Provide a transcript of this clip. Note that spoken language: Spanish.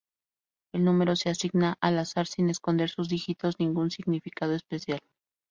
El número se asigna al azar sin esconder sus dígitos ningún significado especial.